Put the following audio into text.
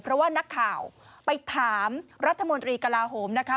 เพราะว่านักข่าวไปถามรัฐมนตรีกลาโหมนะคะ